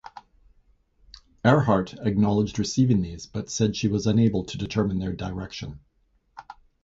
Earhart acknowledged receiving these but said she was unable to determine their direction.